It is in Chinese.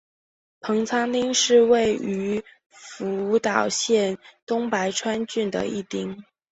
棚仓町是位于福岛县东白川郡的一町。